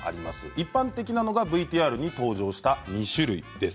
一般的なのがＶＴＲに登場した２種類です。